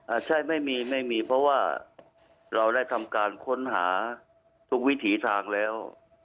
ใช่ไม่มีไม่มีเพราะว่าเราได้ทำการค้นหาทุกวิถีทางแล้ว